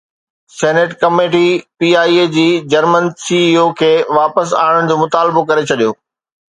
senate committee P I A جي German C E O کي واپس آڻڻ جو مطالبو ڪري ڇڏيو